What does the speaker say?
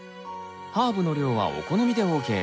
ハーブの量はお好みでＯＫ。